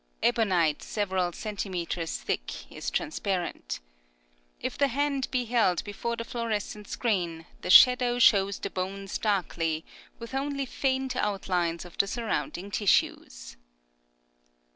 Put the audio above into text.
Ebonite several centimetres thick is transparent. If the hand be held before the fluorescent screen, the shadow shows the bones darkly, with only faint outlines of the surrounding tissues.